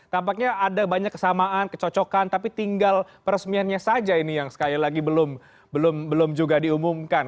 tampaknya ada banyak kesamaan kecocokan tapi tinggal peresmiannya saja ini yang sekali lagi belum juga diumumkan